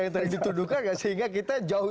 yang tadi dituduhkan gak sehingga kita jauh